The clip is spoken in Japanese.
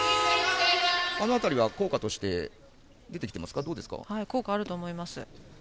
あの辺りは効果として効果あると思います。